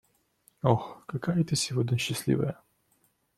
Ох, какая ты сегодня счастливая!